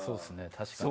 確かに。